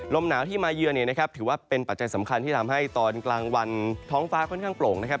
ลมหนาวที่มาเยือนเนี่ยนะครับถือว่าเป็นปัจจัยสำคัญที่ทำให้ตอนกลางวันท้องฟ้าค่อนข้างโปร่งนะครับ